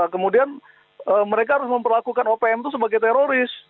kemudian mereka harus memperlakukan opm itu sebagai teroris